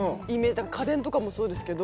だから家電とかもそうですけど。